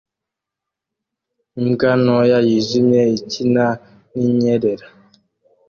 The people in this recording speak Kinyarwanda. Imbwa ntoya yijimye ikina ninyerera